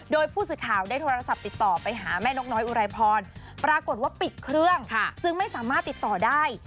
โดยผู้สื่อข่าวได้โทรศัพท์ติดต่อไปหาแม่นกน้อยอุไรพรปรากฏว่าปิดเครื่องจึงไม่สามารถติดต่อได้